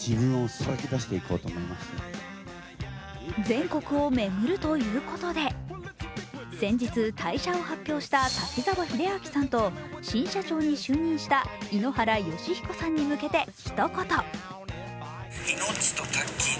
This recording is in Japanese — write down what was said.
全国を巡るということで、先日、退社を発表した滝沢秀明さんと新社長に就任した井ノ原快彦さんに向けて一言。